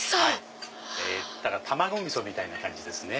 卵みそみたいな感じですね。